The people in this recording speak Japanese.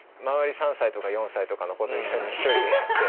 ３歳とか４歳とかの子と一緒に一人でやって。